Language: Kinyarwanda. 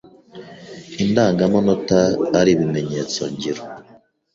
Indangamanota ari ibimenyetso- ngiro,